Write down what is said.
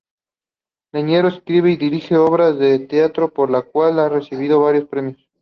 Leñero escribe y dirige obras de teatro, por lo cual ha recibido varios premios.